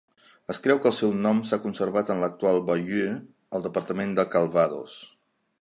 Es creu que el seu nom s'ha conservat en l'actual Bayeux al departament de Calvados.